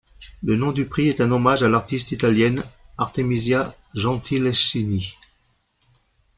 Le nom du prix est un hommage à l'artiste italienne Artemisia Gentileschi.